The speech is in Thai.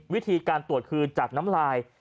วิธีการตรวจคือจากน้ำลาย